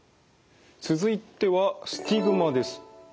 続いてはスティグマです。